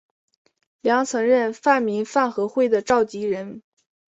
梁曾任泛民饭盒会的召集人。